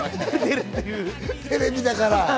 テレビだから。